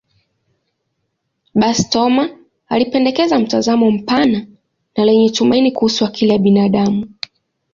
Basi, Thoma alipendekeza mtazamo mpana na lenye tumaini kuhusu akili ya binadamu.